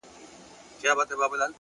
نظم د اوږدو موخو ساتونکی دی،